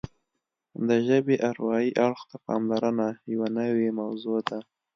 د ژبې اروايي اړخ ته پاملرنه یوه نوې موضوع ده